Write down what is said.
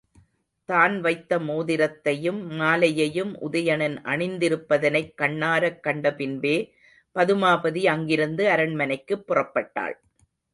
தான் வைத்த மோதிரத்தையும் மாலையையும் உதயணன் அணிந்திருப்பதனைக் கண்ணாரக் கண்டபின்பே பதுமாபதி அங்கிருந்து அரண்மனைக்குப் புறப்பட்டாள்.